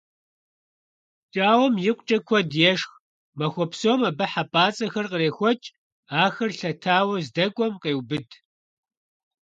ПкӀауэм икъукӀэ куэд ешх, махуэ псом абы хьэпӀацӀэхэр кърехуэкӀ, ахэр лъэтауэ здэкӀуэм къеубыд.